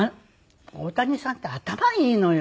大谷さんって頭いいのよ。